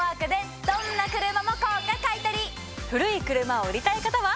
古い車を売りたい方は。